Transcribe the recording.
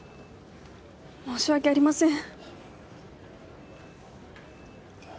申し訳ありません。